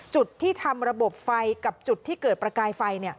จุดที่ทำระบบไฟกับจุดที่เกิดประกายไฟ